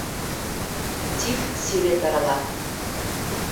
Тиф сире тарала.